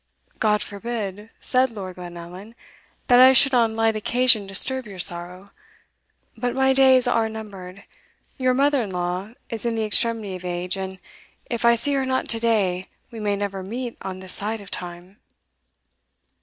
"God forbid," said Lord Glenallan, "that I should on light occasion disturb your sorrow; but my days are numbered your mother in law is in the extremity of age, and, if I see her not to day, we may never meet on this side of time."